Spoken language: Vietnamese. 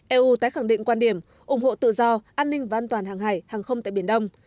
eu tái khẳng định quan điểm ủng hộ tự do an ninh và an toàn hàng hải hàng không tại biển đông